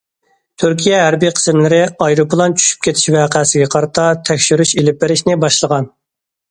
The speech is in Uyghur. تۈركىيە ھەربىي قىسىملىرى ئايروپىلان چۈشۈپ كېتىش ۋەقەسىگە قارىتا تەكشۈرۈش ئېلىپ بېرىشنى باشلىغان.